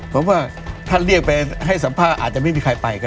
ผมว่าถ้าเรียกไปให้สัมภาษณ์อาจจะไม่มีใครไปก็